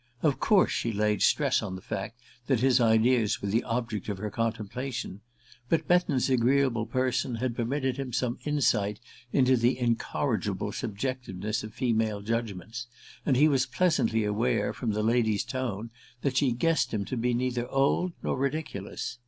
Of course she laid stress on the fact that his ideas were the object of her contemplation; but Betton's agreeable person had permitted him some insight into the incorrigible subjectiveness of female judgments, and he was pleasantly aware, from the lady's tone, that she guessed him to be neither old nor ridiculous.